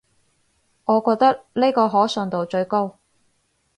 我覺得呢個可信度最高